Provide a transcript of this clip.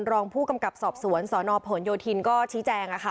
รองผู้กำกับสอบสวนสอนอพลโยธินก็ชี้แจงอ่ะค่ะ